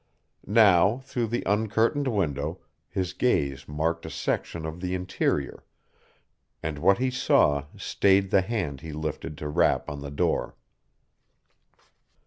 Now, through the uncurtained window, his gaze marked a section of the interior, and what he saw stayed the hand he lifted to rap on the door.